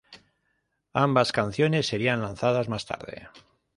Ambas canciones serían lanzadas más tarde.